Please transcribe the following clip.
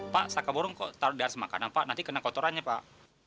pak saka burung kok taruh di atas makanan pak nanti kena kotorannya pak